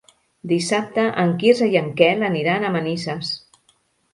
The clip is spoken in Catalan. Dissabte en Quirze i en Quel aniran a Manises.